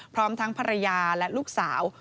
พร้อมทั้งภรรยาและลูกสาว